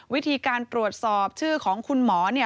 วิธีการตรวจสอบชื่อของคุณหมอ